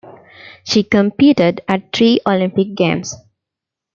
She competed at three Olympic Games.